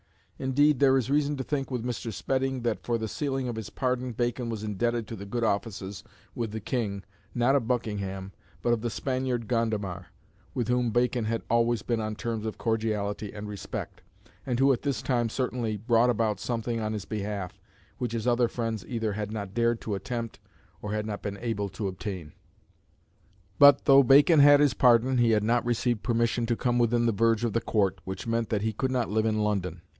Indeed, there is reason to think with Mr. Spedding that for the sealing of his pardon Bacon was indebted to the good offices with the King, not of Buckingham, but of the Spaniard, Gondomar, with whom Bacon had always been on terms of cordiality and respect, and who at this time certainly "brought about something on his behalf, which his other friends either had not dared to attempt or had not been able to obtain." But, though Bacon had his pardon, he had not received permission to come within the verge of the Court, which meant that he could not live in London.